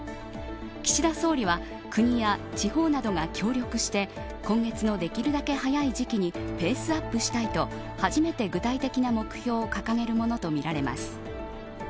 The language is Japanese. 岸田総理は国や地方などが協力して今月のできるだけ早い時期にペースアップしたいと初めて具体的な目標を掲げるものとみられます。